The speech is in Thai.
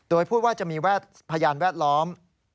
โดยพูดว่าจะมีพยานแวดล้อม